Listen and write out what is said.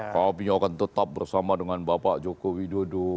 kami akan tetap bersama dengan bapak joko widodo